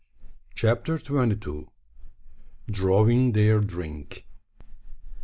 CHAPTER TWENTY TWO. DRAWING THEIR DRINK.